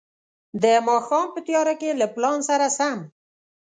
د ماښام په تياره کې له پلان سره سم.